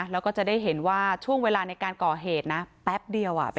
แล้วก็จะได้เห็นว่าช่วงเวลาในการก่อเหตุนะแป๊บเดียว